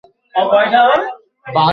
জন্তু জানোয়ারের রক্ত খেয়ে?